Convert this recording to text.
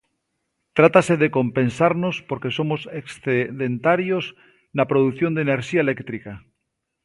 Trátase de compensarnos porque somos excedentarios na produción de enerxía eléctrica.